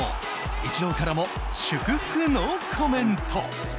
イチローからも祝福のコメント。